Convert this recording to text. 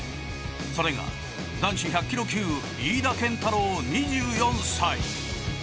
それが男子１００キロ級飯田健太郎２４歳。